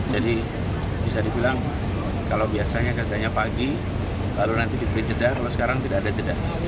jadi bisa dibilang kalau biasanya kerjanya pagi lalu nanti diberi jeda kalau sekarang tidak ada jeda